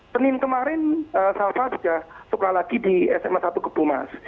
senin kemarin salva sudah sekolah lagi di sma satu kebumas